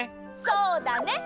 そうだね。